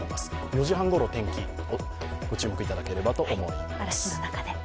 ４時半ごろ、天気にご注目いただければと思います。